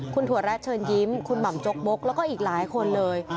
คุณถั่วแรดเชิญยิ้มคุณหม่ำจกบกแล้วก็อีกหลายคนเลย